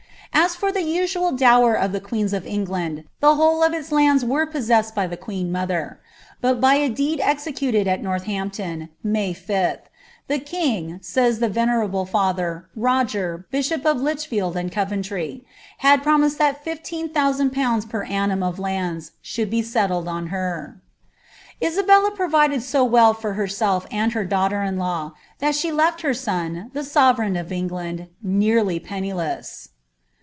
As for the usual dower of tlte queens of EiigUn^ the whole of iu lauds were possesied by the quocn muther ; bui byi deed executed at If orthunpton,' May Sdi, •■ ihe king," says the Tenoi ble father, Hoger, bishop of Lichfield and Coventry, " had promised tM l&jaOOI. pet annum of lands should be settled on her." [«abclla provided so well for herself and her daughter in law, thildl lefl her son, ihe aovereign of England, ncariy pennUesa.